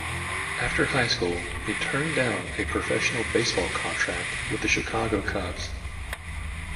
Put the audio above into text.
After high school, he turned down a professional baseball contract with the Chicago Cubs.